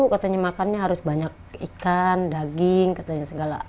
katanya makannya harus banyak ikan daging katanya segala